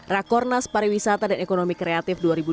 rakornas pariwisata dan ekonomi kreatif dua ribu dua puluh